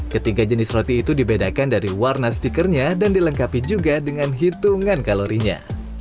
ketiga jenis roti itu dibedakan dari warna stikernya dan dilengkapi juga dengan hitungan kalorinya